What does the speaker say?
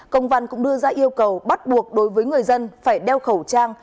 công văn cũng đưa ra yêu cầu bắt buộc đối với người dân phải đeo khẩu trang